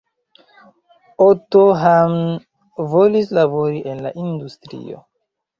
Otto Hahn volis labori en la industrio.